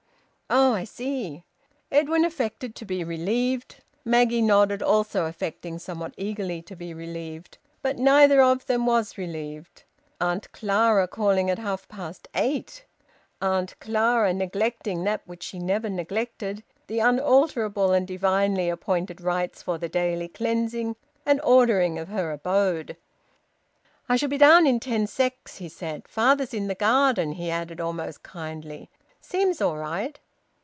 "Oh! I see!" Edwin affected to be relieved. Maggie nodded, also affecting, somewhat eagerly, to be relieved. But neither of them was relieved. Auntie Clara calling at half past eight! Auntie Clara neglecting that which she never neglected the unalterable and divinely appointed rites for the daily cleansing and ordering of her abode! "I shall be down in ten secs," said he. "Father's in the garden," he added, almost kindly. "Seems all right."